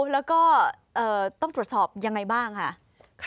แล้วก็ต้องตรวจสอบยังไงบ้างค่ะ